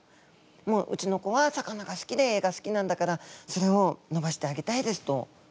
「もううちの子は魚が好きで絵が好きなんだからそれをのばしてあげたいです」と言ってくれたみたいなんですね。